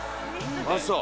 ああそう。